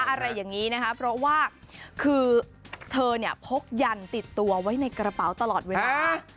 อะไรอย่างนี้นะคะเพราะว่าคือเธอเนี่ยพกยันติดตัวไว้ในกระเป๋าตลอดเวลา